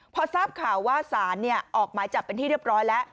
พอทราบข่าวว่าสารออกหมายจับเป็นที่เรียบร้อยแล้ว